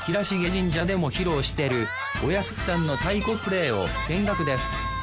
神社でも披露してるおやっさんの太鼓プレーを見学です